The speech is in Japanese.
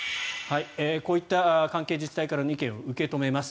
こういった関係自治体からの意見を受け止めます。